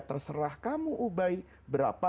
terserah kamu ubay berapa